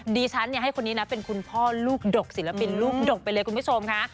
ดิฉันให้คนนี้นะเป็นคุณพ่อลูกดกศิลปินลูกดกไปเลยคุณผู้ชมค่ะ